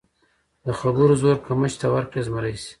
د خبرو زور که مچ ته ورکړې، زمری شي.